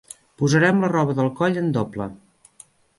Posarem la roba del coll en doble.